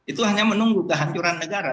itu hanya menunggu kehancuran negara